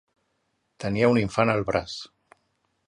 Tenia un infant al braç.